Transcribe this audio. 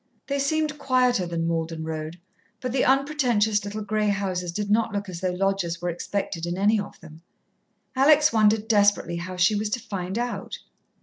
They seemed quieter than Malden Road, but the unpretentious little grey houses did not look as though lodgers were expected in any of them. Alex wondered desperately how she was to find out.